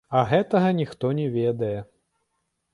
А гэтага ніхто не ведае.